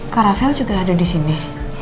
kak raffael juga ada di sini